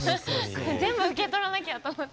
全部受け取らなきゃと思って。